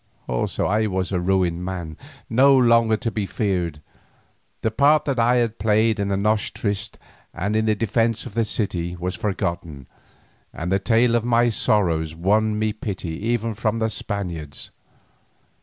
Also I was a ruined man, no longer to be feared, the part that I had played in the noche triste and in the defence of the city was forgotten, and the tale of my sorrows won me pity even from the Spaniards.